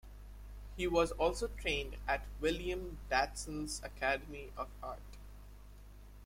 He was also trained at William Dadson's Academy of Art.